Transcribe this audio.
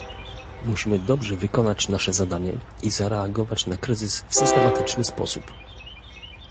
Musimy dobrze wykonać nasze zadanie i zareagować na kryzys w systematyczny sposób